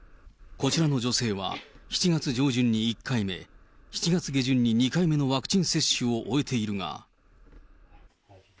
こちらの女性は、７月上旬に１回目、７月下旬に２回目のワクチン接種を終えているが。